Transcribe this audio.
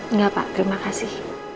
enggak pak terima kasih